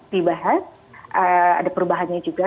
di bahas ada perubahannya juga